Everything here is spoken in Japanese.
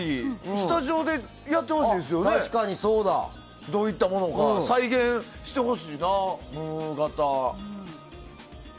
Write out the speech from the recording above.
スタジオでやってほしいですねどういったものか再現してほしいな、ムーガタ。